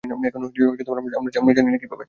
এখন, এখন, আমরা জানিনা কিভাবে।